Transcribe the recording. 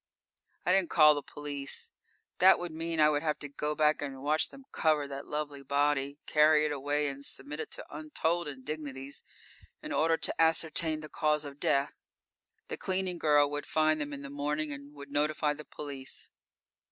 I didn't call the police. That would mean I would have to go back and watch them cover that lovely body, carry it away and submit it to untold indignities in order to ascertain the cause of death. The cleaning girl would find them in the morning and would notify the police.